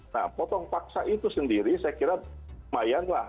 nah potong paksa itu sendiri saya kira lumayan lah